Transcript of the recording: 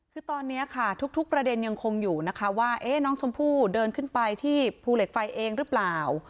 คือตอนนี้ค่ะทุกประเด็นยังคงอยู่นะคะว่าน้องชมพู่เดินขึ้นไปที่ภูเหล็กไฟเองหรือเปล่า